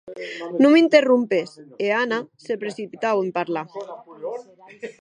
Non m'interrompes, e Anna se precipitaue en parlar.